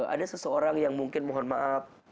ada seseorang yang mungkin mohon maaf